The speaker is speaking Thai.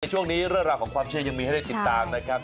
ช่วงนี้เรื่องราวของความเชื่อยังมีให้ได้ติดตามนะครับ